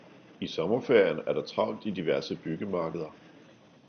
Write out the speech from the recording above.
I sommerferien er der travlt i diverse byggemarkeder.